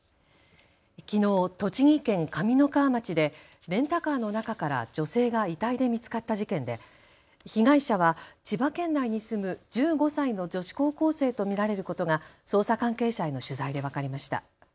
きのう栃木県上三川町でレンタカーの中から女性が遺体で見つかった事件で被害者は千葉県内に住む１５歳の女子高校生と見られることが捜査関係者への取材で分かりました。